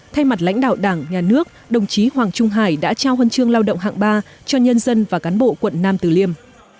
thay mặt lãnh đạo đảng nhà nước đồng chí hoàng trung hải đã trao huân chương lao động hạng ba cho nhân dân và cán bộ quận nam tử liêm